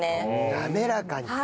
滑らかにね。